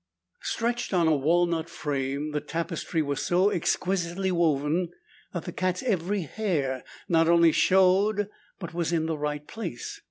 Stretched on a walnut frame, the tapestry was so exquisitely woven that the cat's every hair not only showed but was in the right place.